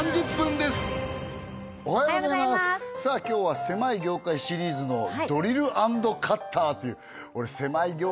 今日はせまい業界シリーズのドリル＆カッターという俺せまい